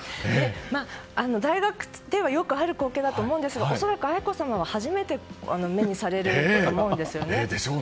大学ではよくある光景だと思うんですが恐らく愛子さまは初めて目にされると思うんですね。